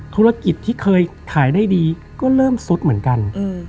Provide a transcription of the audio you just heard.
ธุรกิจที่เคยขายได้ดีก็เริ่มซุดเหมือนกัน